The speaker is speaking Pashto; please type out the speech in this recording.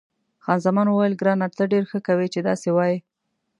خان زمان وویل، ګرانه ته ډېره ښه کوې چې داسې وایې.